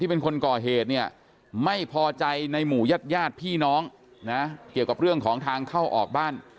เป็นคนก่อเหตุเนี่ยไม่พอใจในหมู่ญาติญาติพี่น้องนะเกี่ยวกับเรื่องของทางเข้าออกบ้าน